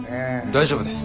大丈夫です。